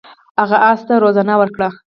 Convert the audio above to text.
هغه اس ته روزنه ورکړه.